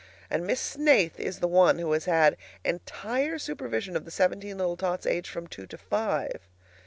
And Miss Snaith is the one who has had entire supervision of the seventeen little tots aged from two to five!